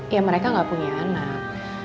ya mereka nggak punya anak